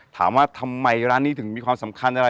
ถามว่าทำไมร้านนี้ถึงมีความสำคัญอะไร